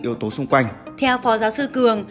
yếu tố xung quanh theo phó giáo sư cường